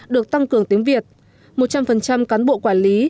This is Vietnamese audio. được tăng cường tiếng việt một trăm linh cán bộ quản lý